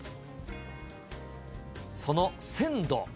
その鮮度。